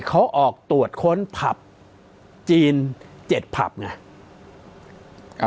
เขาออกตรวจค้นภัพบุรุษนี้๗ภัพธุ์เนี่ย